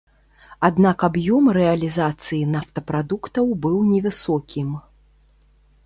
Аднак аб'ём рэалізацыі нафтапрадуктаў быў невысокім.